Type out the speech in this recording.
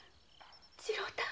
次郎太